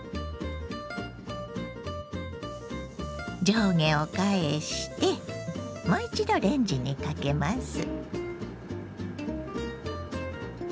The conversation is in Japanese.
上下を返してもう一度レンジにかけます。